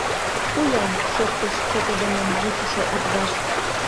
— Пу-ян! — шоктыш чытыдымын вучышо Атбаш.